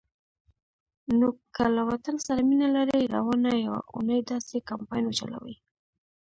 نو که له وطن سره مینه لرئ، روانه یوه اونۍ داسی کمپاین وچلوئ